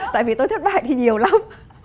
tại vì tôi thất bại thì nhiều lắm